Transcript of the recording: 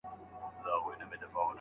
که ته د املا کلمې په ذهن کي تکرار کړې.